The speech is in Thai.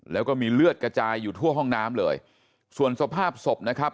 แล้วก็มีเลือดกระจายอยู่ทั่วห้องน้ำเลยส่วนสภาพศพนะครับ